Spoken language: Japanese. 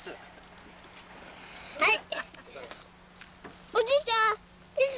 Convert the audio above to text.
はい。